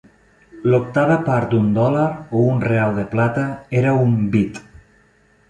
L'octava part d'un dòlar o un real de plata era un "bit".